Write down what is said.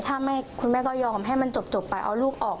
ถ้าคุณแม่ก็ยอมให้มันจบไปเอาลูกออก